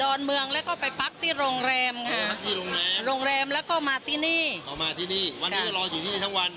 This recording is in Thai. หรืออะไรก็บอกเป็นอาหารเสริมแล้วก็แถมติ๊บต้องเที่ยว